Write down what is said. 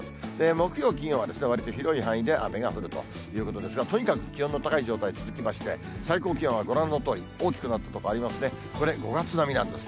木曜、金曜はわりと広い範囲で雨が降るということですが、とにかく気温の高い状態、続きまして、最高気温はご覧のとおり、大きくなった所ありますね、これ、５月並みなんです。